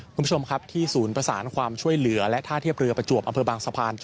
คุณผู้ชมครับที่ศูนย์ประสานความช่วยเหลือและท่าเทียบเรือประจวบอำเภอบางสะพาน